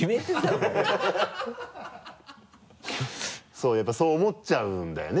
そうやっぱりそう思っちゃうんだよね。